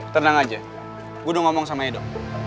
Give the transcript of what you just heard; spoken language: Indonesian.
tenang aja gue udah ngomong sama edo